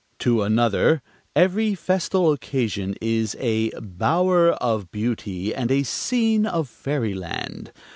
To another, every festal occasion is "a bower of beauty and a scene of fairyland."